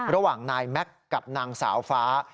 ระหว่างนายแม็กซ์กับนางสาวฟ้า